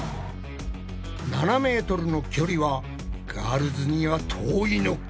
７ｍの距離はガールズには遠いのか？